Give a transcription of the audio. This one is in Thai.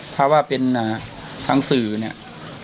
ถ้าว่าเป็นทางสื่อเนี่ย